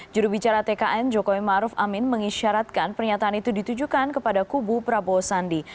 jurubicara tkn jokowi maruf amin mengisyaratkan pernyataan itu ditujukan kepada kubu prabowo sandi